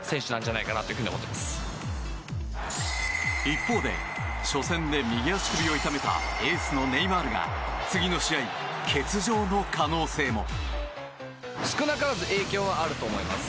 一方で、初戦で右足首を痛めたエースのネイマールが次の試合欠場の可能性も。